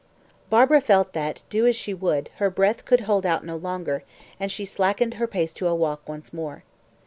Barbara felt that, do as she would, her breath could hold out no longer, and she slackened her pace to a walk once more.